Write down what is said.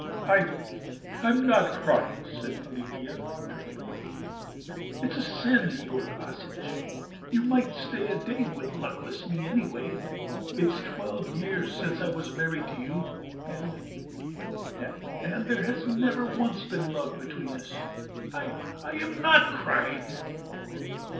"I... I'm not crying," said Pelagea, turning away. "It's a sin, Yegor Vlassitch! You might stay a day with luckless me, anyway. It's twelve years since I was married to you, and... and... there has never once been love between us!... I... I am not crying."